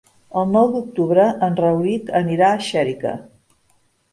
El nou d'octubre en Rauric anirà a Xèrica.